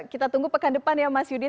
kita tunggu pekan depan ya mas yudin